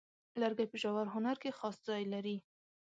لرګی په ژور هنر کې خاص ځای لري.